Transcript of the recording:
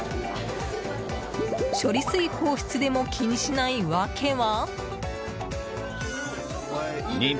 処理水放出でも気にしない訳は？